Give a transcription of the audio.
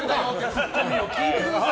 ツッコミを聞いてください。